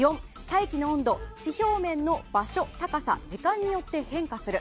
大気の温度、地表面の場所、高さ時間によって変化する。